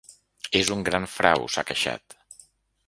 És un gran frau, s’ha queixat.